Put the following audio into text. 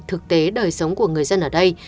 thực tế đời sống của người dân ở đây